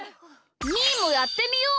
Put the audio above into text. みーもやってみよう！